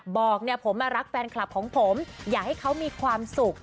บอกเนี่ยผมรักแฟนคลับของผมอย่าให้เขามีความสุข